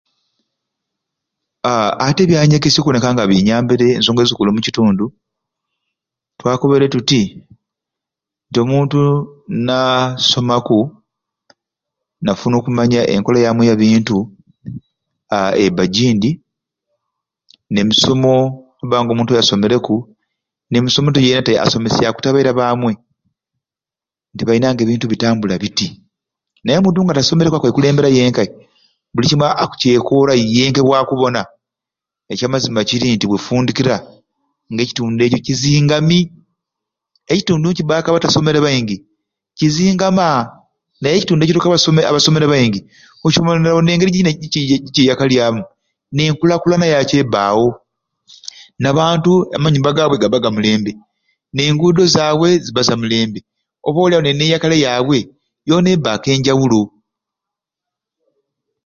Aahh ati ebyanyegesya okuboneka nga binyambire ensonga ezikulu omukitundu twakobere tuti nti omuntu nasomaku nafuna okumanya enkola yamwei eyabintu aahh ebba jindi nemisomo okuba nga omuntu oyo asomereku nemisomo yenate asomesyaku tte abaira bamwei nti bainange ebintu bitambula biti, naye omuntu nga tasomereku akwekulemberya yenkai buli kimwei akukyekora ye nkebwakubona ekyamazima kiri nti we ofundikira nga ekitundu ekyo kizingaami, ekitundu nikibaku abatasomere baingi kizingama naye ekitundu ekiriku abaso abasomere abaingi okibonerawo nengeri jekyeya yakalyamu nenkulakulana yakyo ebbawo nabantu amanyumba gabwe gabba gamulembe nengudo zabwe ziba zamulembe oba olyawo neneyakalya yabwe yona ebakku enjawulo.